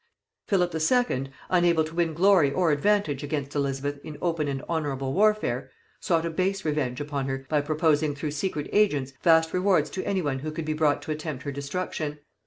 '" Philip II., unable to win glory or advantage against Elizabeth in open and honorable warfare, sought a base revenge upon her by proposing through secret agents vast rewards to any who could be brought to attempt her destruction.